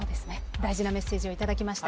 大事なメッセージを頂きました。